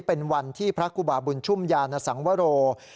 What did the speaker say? เป็นวันที่พระกุบาบุญชุ่มยานสังวโร